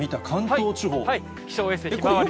気象衛星ひまわりです。